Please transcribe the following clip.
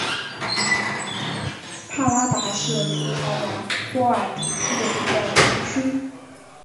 帕拉达是葡萄牙波尔图区的一个堂区。